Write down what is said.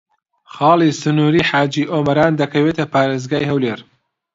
خاڵی سنووریی حاجی ئۆمەران دەکەوێتە پارێزگای هەولێر.